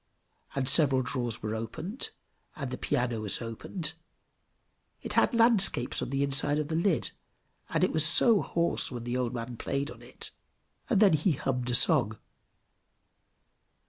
And several drawers were opened, and the piano was opened; it had landscapes on the inside of the lid, and it was so hoarse when the old man played on it! and then he hummed a song.